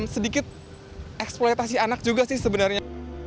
sedikit eksploitasi anak juga sih sebenarnya